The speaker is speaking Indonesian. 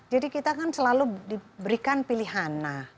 jadi kita kan selalu diberikan pilihan